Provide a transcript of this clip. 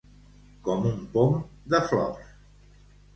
Com un pom de flors.